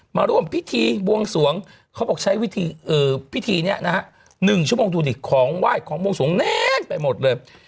มาร่วมพิธีบวงสวงเขาบอกใช้วิธีพิธีนี้นะฮะ๑ชั่วโมงดูดิของไหว้ของบวงสวงแน่นไปหมดเลย